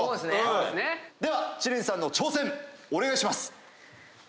では知念さんの挑戦お願いします。